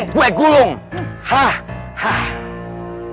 gue gulung hah hah